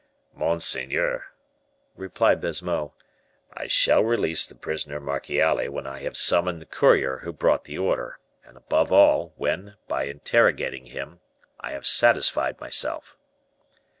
"Monseigneur," replied Baisemeaux, "I shall release the prisoner Marchiali when I have summoned the courier who brought the order, and above all, when, by interrogating him, I have satisfied myself."